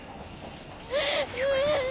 優子ちゃん。